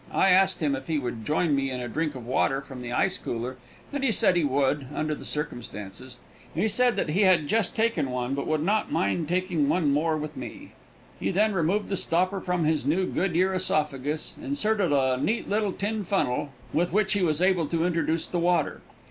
I asked him if he would join me in a drink of water from the ice cooler, and he said he would, under the circumstances. He said that he had just taken one, but would not mind taking one more with me. He then removed the stopper from his new Goodyear esophagus, inserted a neat little tin funnel, with which he was able to introduce the water.